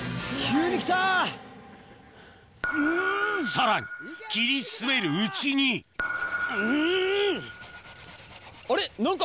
さらに切り進めるうちにうん！